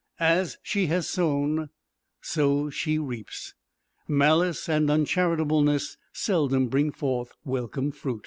As she has sown, so she reaps. Malice and uncharitableness seldom bring forth welcome fruit.